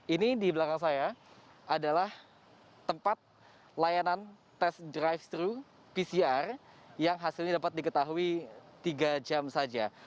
ini di belakang saya adalah tempat layanan tes drive thru pcr yang hasilnya dapat diketahui tiga jam saja